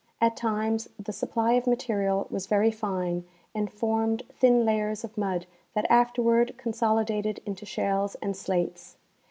At times the supply of ma terial was very fine and formed thin layers of mud that after ward consolidated into shales and slates.